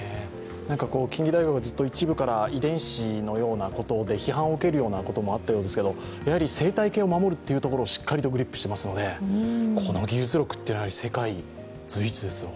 近畿大学がずっと一部から遺伝子のようなことで批判を受けるようなこともあったようですが、生態系を守るというところを、しっかりとグリップしていますのでこの技術力は世界随一ですよ。